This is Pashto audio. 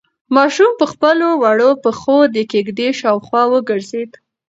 ماشوم په خپلو وړو پښو د کيږدۍ شاوخوا وګرځېد.